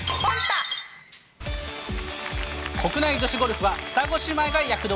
国内女子ゴルフは双子姉妹が躍動。